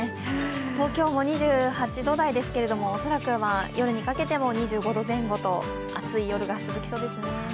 東京も２８度台ですけれども恐らくは夜にかけても２５度前後と暑い夜が続きそうですね。